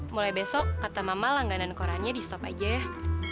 mulai besok kata mama langganan korannya di stop aja